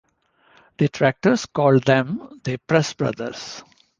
Detractors called them the "Press Brothers".